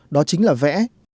đó chính là vẽ